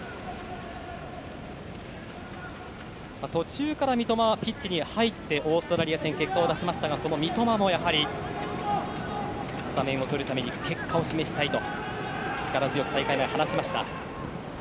途中から三笘はピッチに入ってオーストラリア戦で結果を出しましたが、この三笘もスタメンをとるために結果を示したいと力強く大会前、話しました。